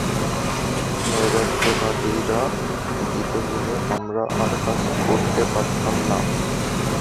নৈরাজ্যবাদীরা জিতে গেলে আমরা আর কাজ করতে পারতাম না।